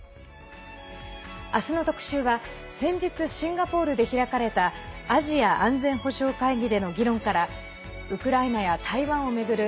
明日の特集は先日シンガポールで開かれたアジア安全保障会議での議論からウクライナや台湾を巡る